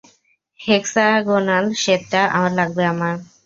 Hexagonal সেটটা লাগবে আমার।